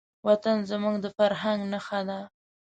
وطن زموږ د فرهنګ نښه ده.